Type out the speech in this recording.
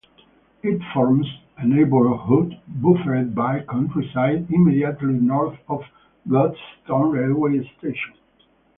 It forms a neighbourhood buffered by countryside immediately north of Godstone railway station.